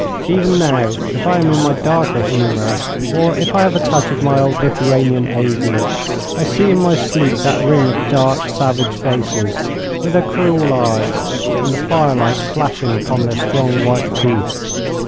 Even now if I am in my darker humour, or if I have a touch of my old Lithuanian ague, I see in my sleep that ring of dark, savage faces, with their cruel eyes, and the firelight flashing upon their strong white teeth.